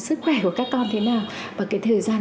sức khỏe của các con thế nào và cái thời gian